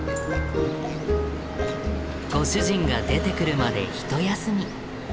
ご主人が出てくるまでひと休み。